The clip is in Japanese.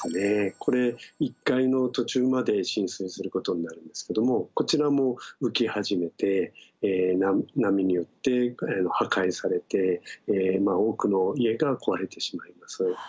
これ１階の途中まで浸水することになるんですけどもこちらも浮き始めて波によって破壊されて多くの家が壊れてしまいます。